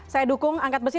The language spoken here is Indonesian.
saya dukung angkat besi